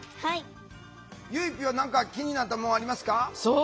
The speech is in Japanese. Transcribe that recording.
ゆいＰは何か気になったもんありますか？